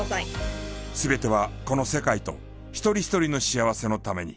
全てはこの世界と一人一人の幸せのために。